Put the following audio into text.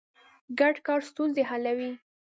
ګډ کار ستونزې حلوي.